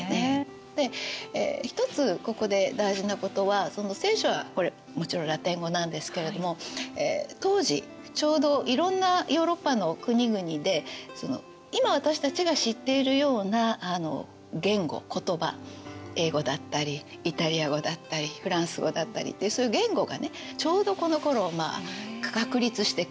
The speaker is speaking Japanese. で一つここで大事なことは「聖書」はこれもちろんラテン語なんですけれども当時ちょうどいろんなヨーロッパの国々で今私たちが知っているような言語言葉英語だったりイタリア語だったりフランス語だったりってそういう言語がねちょうどこのころ確立してくる。